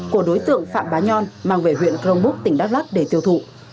của đối tượng phạm bá nhon mang về huyện crong búc tỉnh đắk lắc để tiêu thụ